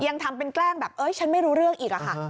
ยังทำเป็นแกล้งแบบเอ้ยฉันไม่รู้เรื่องอีกอะค่ะ